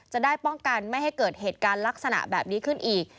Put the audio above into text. จะได้ป้องกันไม่ให้เกิดเหตุการณ์ลักษณะแบบนี้ขึ้นอีก